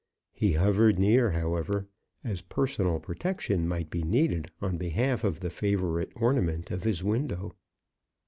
He hovered near, however, as personal protection might be needed on behalf of the favourite ornament of his window.